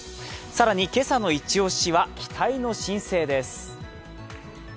更に今朝のイチ押しは期待の新星です。